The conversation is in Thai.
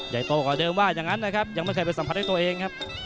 ใหญ่โตกว่าเดิมว่าอย่างนั้นยังไม่เคยเป็นสัมผัสด้วยตัวเอง